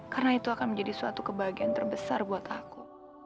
karena itu akan menjadi suatu kebahagiaan terbesar buat aku